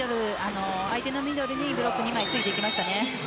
相手のミドルにブロックが２枚ついていきました。